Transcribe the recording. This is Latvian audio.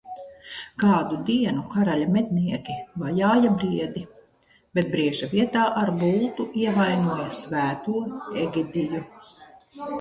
Kādu dienu karaļa mednieki vajāja briedi, bet brieža vietā ar bultu ievainoja Svēto Egidiju.